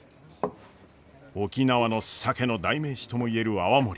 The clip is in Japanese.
沖縄の酒の代名詞とも言える泡盛。